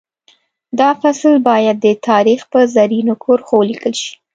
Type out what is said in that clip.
دا فصل باید د تاریخ په زرینو کرښو ولیکل شي